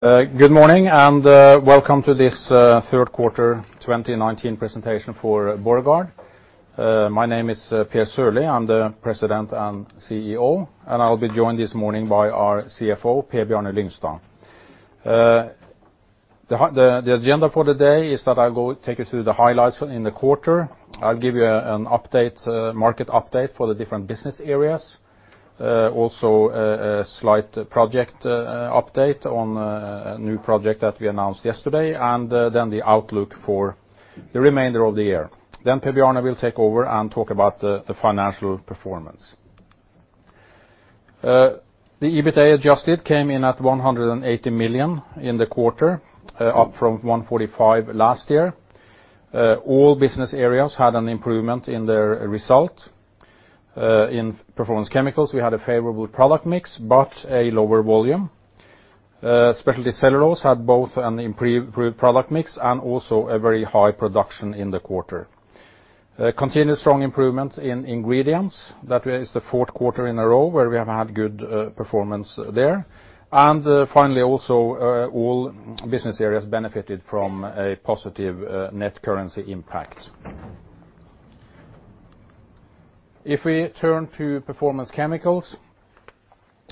Good morning, and welcome to this third quarter 2019 presentation for Borregaard. My name is Per A. Sørlie. I'm the President and CEO, and I'll be joined this morning by our CFO, Per Bjarne Lyngstad. The agenda for the day is that I'll go take you through the highlights in the quarter. I'll give you a market update for the different business areas. Also, a slight project update on a new project that we announced yesterday, and then the outlook for the remainder of the year. Per Bjarne will take over and talk about the financial performance. The EBITDA adjusted came in at 180 million in the quarter, up from 145 million last year. All business areas had an improvement in their result. In Fine Chemicals, we had a favorable product mix, but a lower volume. Specialty Cellulose had both an improved product mix and also a very high production in the quarter. Continuous strong improvement in ingredients. That is the fourth quarter in a row where we have had good performance there. Finally, also, all business areas benefited from a positive net currency impact. If we turn to Performance chemicals,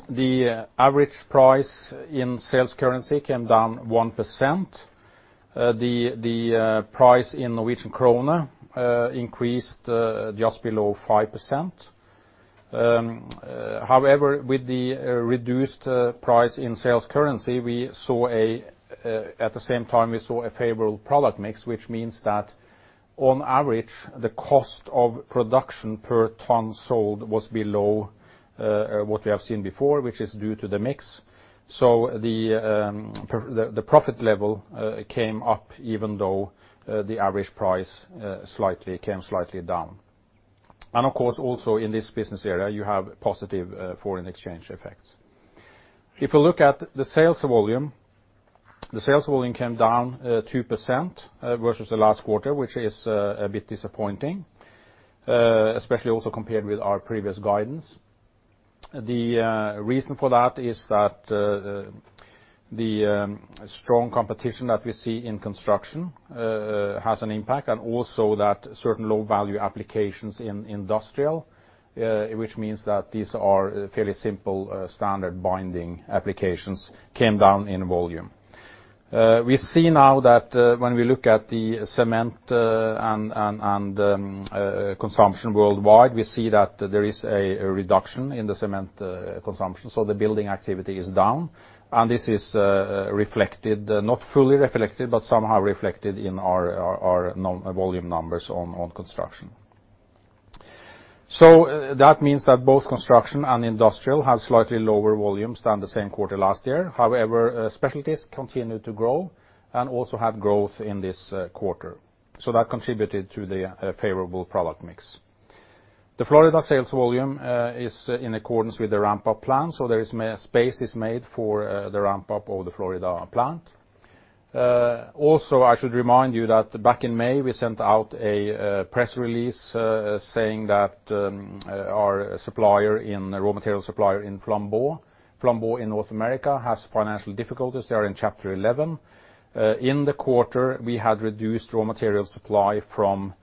the average price in sales currency came down 1%. The price in NOK increased just below 5%. However, with the reduced price in sales currency, at the same time we saw a favorable product mix, which means that on average, the cost of production per ton sold was below what we have seen before, which is due to the mix. The profit level came up even though the average price came slightly down. Of course, also in this business area, you have positive foreign exchange effects. If you look at the sales volume, the sales volume came down 2% versus the last quarter, which is a bit disappointing, especially also compared with our previous guidance. The reason for that is that the strong competition that we see in construction has an impact, and also that certain low-value applications in industrial, which means that these are fairly simple standard binding applications, came down in volume. We see now that when we look at the cement and consumption worldwide, we see that there is a reduction in the cement consumption. The building activity is down, and this is reflected, not fully reflected, but somehow reflected in our volume numbers on construction. That means that both construction and industrial have slightly lower volumes than the same quarter last year. However, specialties continue to grow and also had growth in this quarter. That contributed to the favorable product mix. The Florida sales volume is in accordance with the ramp-up plan, so space is made for the ramp-up of the Florida plant. Also, I should remind you that back in May, we sent out a press release saying that our raw material supplier in Flambeau in North America has financial difficulties. They are in Chapter 11. In the quarter, we had reduced raw material supply from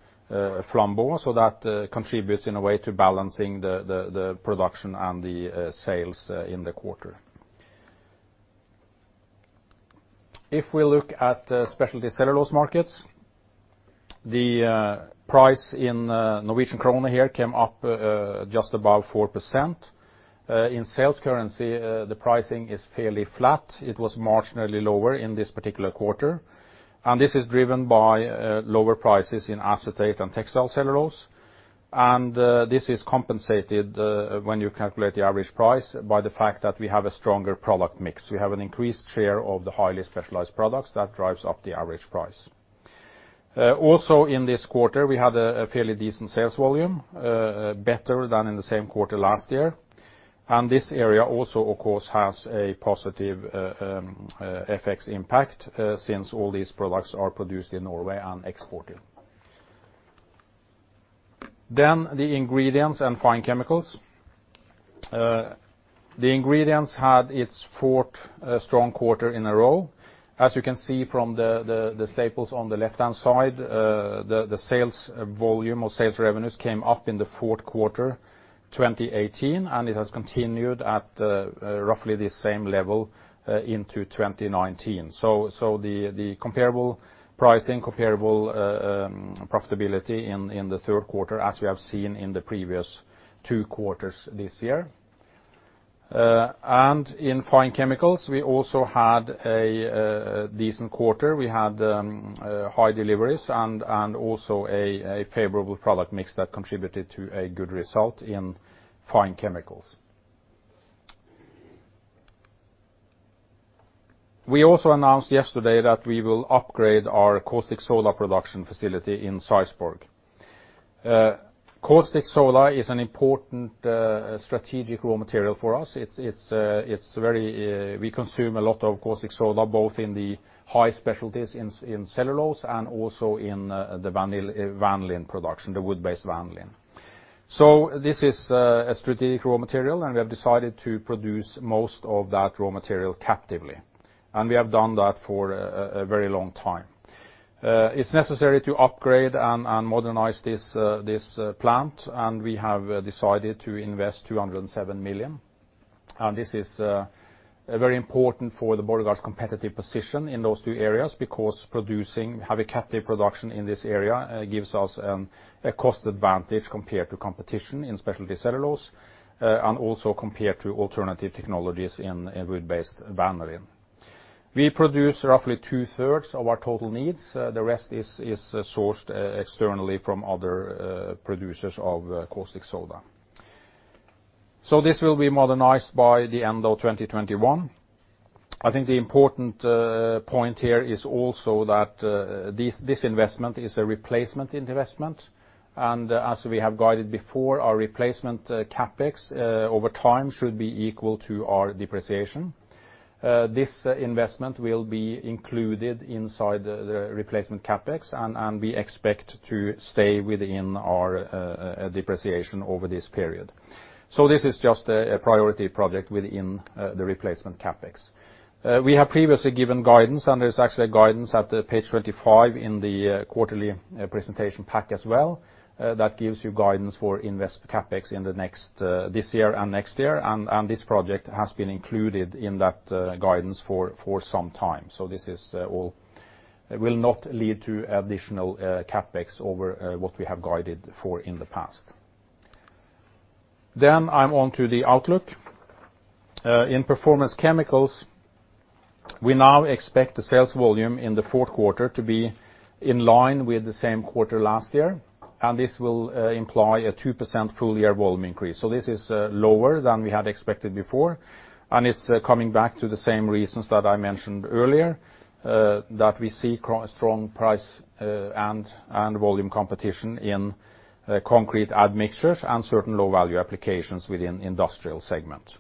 Flambeau. That contributes in a way to balancing the production and the sales in the quarter. If we look at the specialty cellulose markets, the price in NOK here came up just above 4%. In sales currency the pricing is fairly flat. It was marginally lower in this particular quarter. This is driven by lower prices in acetate and textile cellulose. This is compensated when you calculate the average price by the fact that we have a stronger product mix. We have an increased share of the highly specialized products. That drives up the average price. In this quarter, we had a fairly decent sales volume, better than in the same quarter last year. This area also, of course, has a positive FX impact, since all these products are produced in Norway and exported. The ingredients and Fine Chemicals. The ingredients had its fourth strong quarter in a row. As you can see from the tables on the left-hand side, the sales volume or sales revenues came up in the fourth quarter 2018. It has continued at roughly the same level into 2019. The comparable pricing, comparable profitability in the third quarter as we have seen in the previous two quarters this year. In Fine Chemicals, we also had a decent quarter. We had high deliveries and also a favorable product mix that contributed to a good result in Fine Chemicals. We also announced yesterday that we will upgrade our caustic soda production facility in Sarpsborg. Caustic soda is an important strategic raw material for us. We consume a lot of caustic soda, both in the high specialties in cellulose and also in the vanillin production, the wood-based vanillin. This is a strategic raw material, and we have decided to produce most of that raw material captively, and we have done that for a very long time. It's necessary to upgrade and modernize this plant, and we have decided to invest 207 million. This is very important for Borregaard's competitive position in those two areas, because having captive production in this area gives us a cost advantage compared to competition in specialty cellulose, and also compared to alternative technologies in wood-based vanillin. We produce roughly two-thirds of our total needs. The rest is sourced externally from other producers of caustic soda. This will be modernized by the end of 2021. I think the important point here is also that this investment is a replacement investment, and as we have guided before, our replacement CapEx over time should be equal to our depreciation. This investment will be included inside the replacement CapEx, and we expect to stay within our depreciation over this period. This is just a priority project within the replacement CapEx. We have previously given guidance. There's actually a guidance at the page 25 in the quarterly presentation pack as well, that gives you guidance for invest CapEx in this year and next year. This project has been included in that guidance for some time. This will not lead to additional CapEx over what we have guided for in the past. I'm on to the outlook. In performance chemicals, we now expect the sales volume in the fourth quarter to be in line with the same quarter last year. This will imply a 2% full-year volume increase. This is lower than we had expected before. It's coming back to the same reasons that I mentioned earlier, that we see strong price and volume competition in concrete admixtures and certain low-value applications within industrial segment.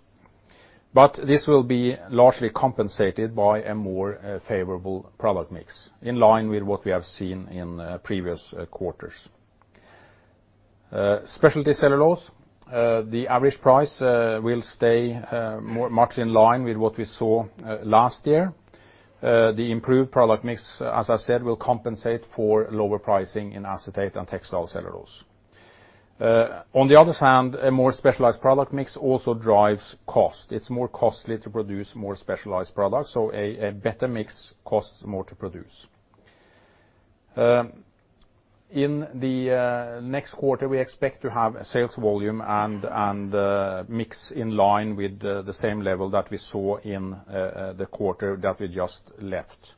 This will be largely compensated by a more favorable product mix in line with what we have seen in previous quarters. Specialty cellulose, the average price will stay much in line with what we saw last year. The improved product mix, as I said, will compensate for lower pricing in acetate and textile cellulose. On the other hand, a more specialized product mix also drives cost. It's more costly to produce more specialized products, so a better mix costs more to produce. In the next quarter, we expect to have a sales volume and mix in line with the same level that we saw in the quarter that we just left.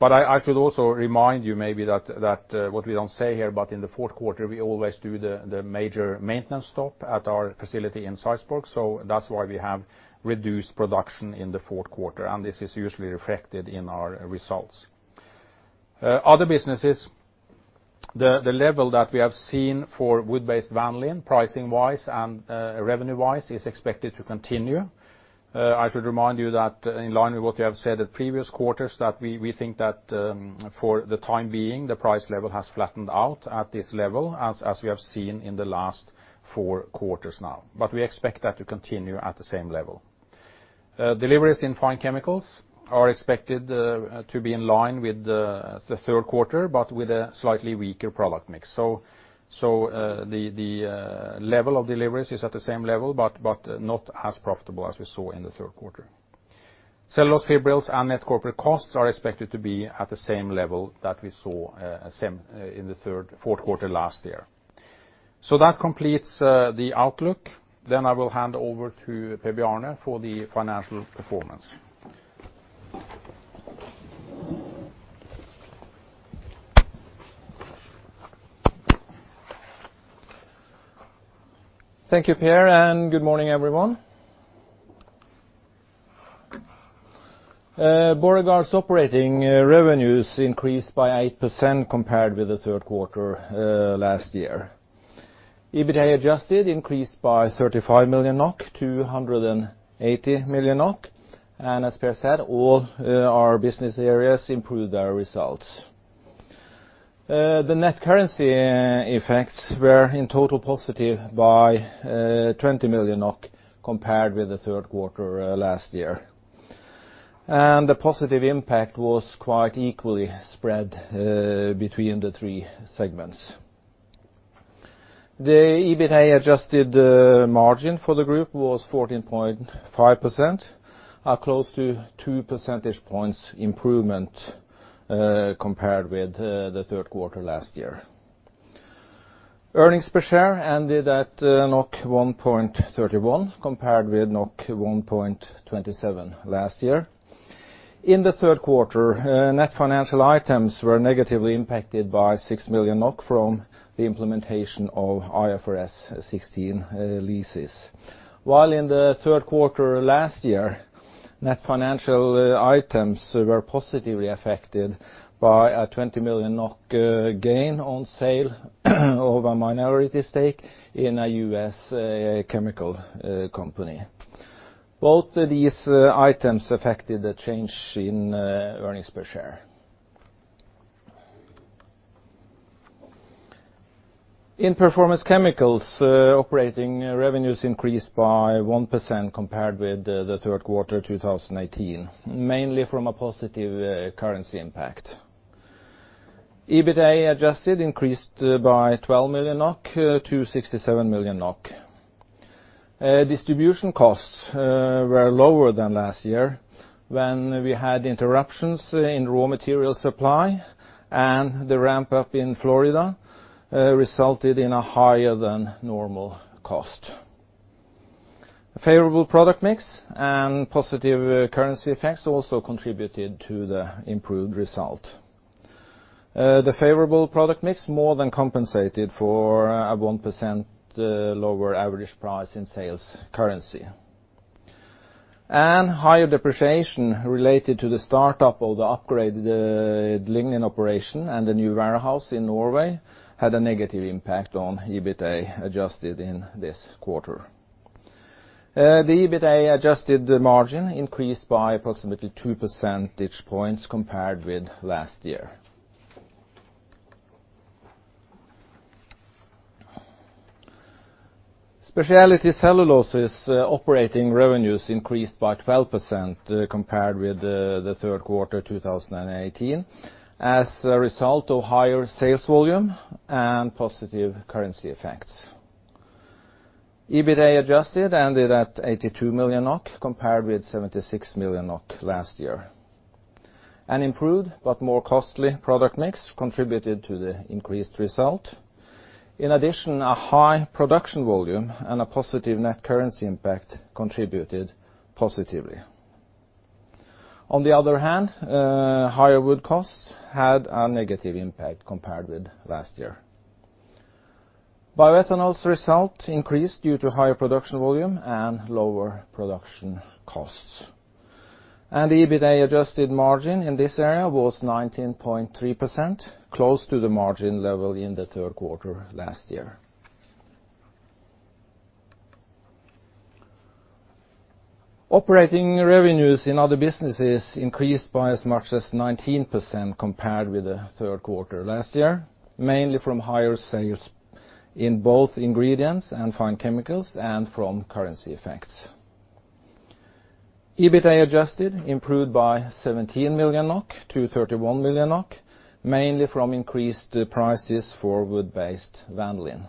I should also remind you maybe that what we don't say here, but in the fourth quarter, we always do the major maintenance stop at our facility in Sarpsborg. That's why we have reduced production in the fourth quarter, and this is usually reflected in our results. Other businesses, the level that we have seen for wood-based vanillin, pricing wise and revenue wise, is expected to continue. I should remind you that in line with what we have said at previous quarters, that we think that for the time being, the price level has flattened out at this level, as we have seen in the last four quarters now. We expect that to continue at the same level. Deliveries in Fine Chemicals are expected to be in line with the third quarter, but with a slightly weaker product mix. The level of deliveries is at the same level, but not as profitable as we saw in the third quarter. Cellulose Fibrils and net corporate costs are expected to be at the same level that we saw in the fourth quarter last year. That completes the outlook. I will hand over to Per Bjarne for the financial performance. Thank you, Per. Good morning, everyone. Borregaard's operating revenues increased by 8% compared with the third quarter last year. EBITA adjusted increased by 35 million NOK to 180 million NOK. As Per said, all our business areas improved our results. The net currency effects were in total positive by 20 million NOK compared with the third quarter last year. The positive impact was quite equally spread between the three segments. The EBITA-adjusted margin for the group was 14.5%, a close to two percentage points improvement compared with the third quarter last year. Earnings per share ended at 1.31 compared with 1.27 last year. In the third quarter, net financial items were negatively impacted by 6 million NOK from the implementation of IFRS 16 leases. In the third quarter last year, net financial items were positively affected by a 20 million NOK gain on sale of a minority stake in a U.S. chemical company. Both these items affected the change in earnings per share. In Performance Chemicals, operating revenues increased by 1% compared with the third quarter 2018, mainly from a positive currency impact. EBITA adjusted increased by 12 million NOK to 67 million NOK. Distribution costs were lower than last year, when we had interruptions in raw material supply, and the ramp-up in Florida resulted in a higher than normal cost. A favorable product mix and positive currency effects also contributed to the improved result. The favorable product mix more than compensated for a 1% lower average price in sales currency. Higher depreciation related to the start-up of the upgraded lignin operation and the new warehouse in Norway had a negative impact on EBITA adjusted in this quarter. The EBITA-adjusted margin increased by approximately 2 percentage points compared with last year. Specialty Cellulose's operating revenues increased by 12% compared with the third quarter 2018 as a result of higher sales volume and positive currency effects. EBITA adjusted ended at 82 million NOK, compared with 76 million NOK last year. An improved, but more costly product mix contributed to the increased result. In addition, a high production volume and a positive net currency impact contributed positively. On the other hand, higher wood costs had a negative impact compared with last year. bioethanol's result increased due to higher production volume and lower production costs. The EBITA adjusted margin in this area was 19.3%, close to the margin level in the third quarter last year. Operating revenues in other businesses increased by as much as 19% compared with the third quarter last year, mainly from higher sales in both ingredients and Fine Chemicals, and from currency effects. EBITA adjusted improved by 17 million NOK to 31 million NOK, mainly from increased prices for wood-based vanillin.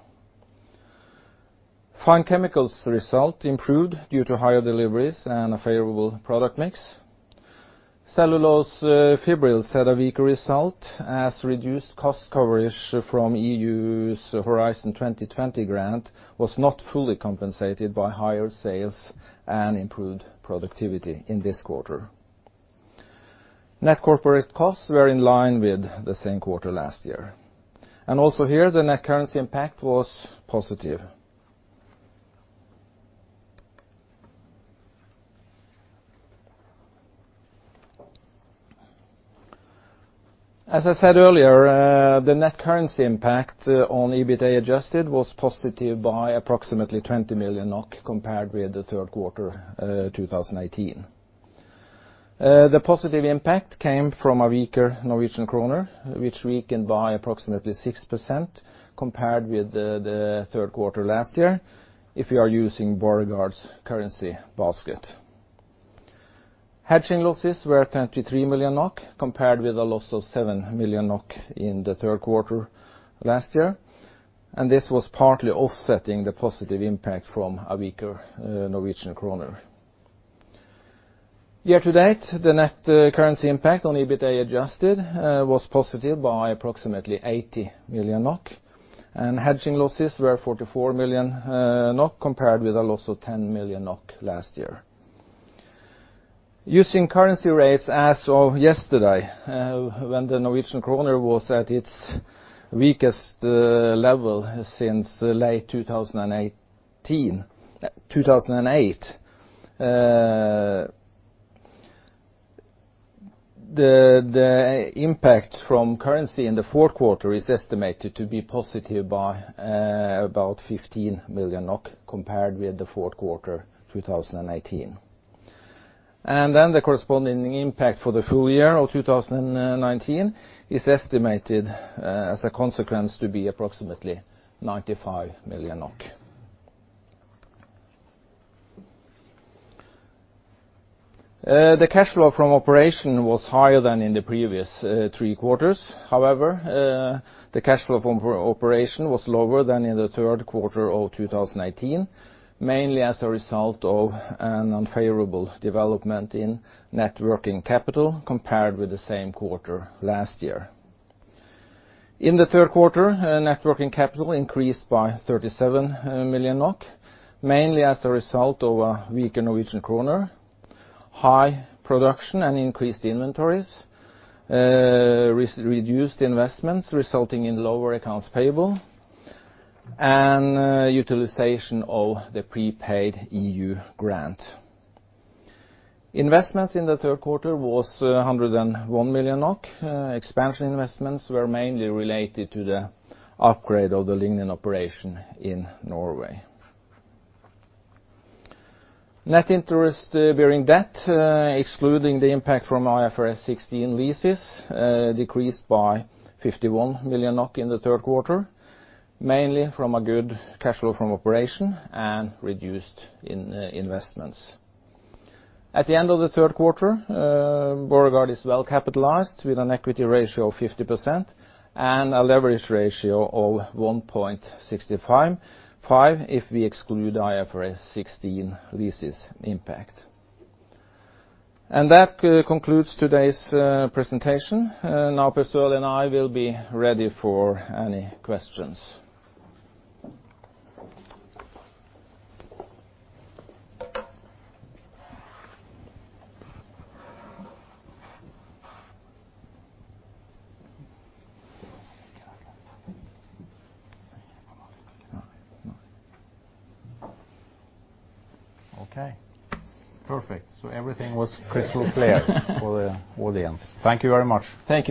Fine Chemicals result improved due to higher deliveries and a favorable product mix. Cellulose Fibrils had a weaker result as reduced cost coverage from EU's Horizon 2020 grant was not fully compensated by higher sales and improved productivity in this quarter. Net corporate costs were in line with the same quarter last year. Also here, the net currency impact was positive. As I said earlier, the net currency impact on EBITA adjusted was positive by approximately 20 million NOK compared with the third quarter 2018. The positive impact came from a weaker Norwegian kroner, which weakened by approximately 6% compared with the third quarter last year, if you are using Borregaard's currency basket. Hedging losses were 23 million NOK, compared with a loss of 7 million NOK in the third quarter last year, and this was partly offsetting the positive impact from a weaker Norwegian kroner. Year-to-date, the net currency impact on EBITA adjusted was positive by approximately 80 million NOK, and hedging losses were 44 million NOK, compared with a loss of 10 million NOK last year. Using currency rates as of yesterday, when the Norwegian kroner was at its weakest level since late 2008, the impact from currency in the fourth quarter is estimated to be positive by about 15 million NOK compared with the fourth quarter 2018. The corresponding impact for the full year of 2019 is estimated, as a consequence, to be approximately 95 million NOK. The cash flow from operation was higher than in the previous three quarters. However, the cash flow from operation was lower than in the third quarter of 2018, mainly as a result of an unfavorable development in net working capital compared with the same quarter last year. In the third quarter, net working capital increased by 37 million NOK, mainly as a result of a weaker Norwegian kroner, high production and increased inventories, reduced investments resulting in lower accounts payable, and utilization of the prepaid EU grant. Investments in the third quarter was 101 million NOK. Expansion investments were mainly related to the upgrade of the lignin operation in Norway. Net interest-bearing debt, excluding the impact from IFRS 16 leases, decreased by 51 million NOK in the third quarter, mainly from a good cash flow from operation and reduced investments. At the end of the third quarter, Borregaard is well capitalized, with an equity ratio of 50% and a leverage ratio of 1.65 if we exclude IFRS 16 leases impact. That concludes today's presentation. Now Per Sørlie and I will be ready for any questions. Okay. Perfect. Everything was crystal clear for the audience. Thank you very much. Thank you.